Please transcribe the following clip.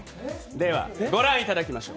では御覧いただきましょう。